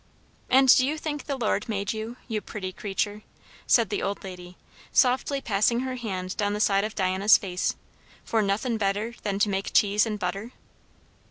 "And do you think the Lord made you you pretty creatur!" said the old lady, softly passing her hand down the side of Diana's face, "for nothin' better than to make cheese and butter?"